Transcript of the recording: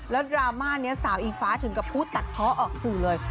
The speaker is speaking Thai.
แล้วดราม่านี้สาวอิงฟ้าถึงกับผู้ตัดเพาะออกสื่อเลย